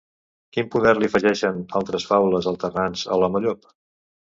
Quin poder li afegeixen, altres faules alternants, a l'home llop?